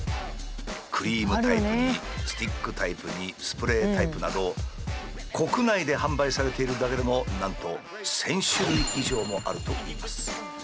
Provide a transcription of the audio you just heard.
クリームタイプにスティックタイプにスプレータイプなど国内で販売されているだけでもなんと１，０００種類以上もあるといいます。